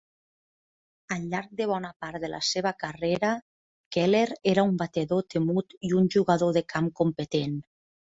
Al llarg de bona part de la seva carrera, Keller era un batedor temut i un jugador de camp competent.